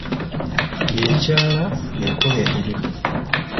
Y'ekyala, y'ekola emirimu.